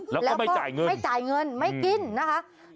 แล้วก็ไม่จ่ายเงินไม่จ่ายเงินไม่กินนะคะ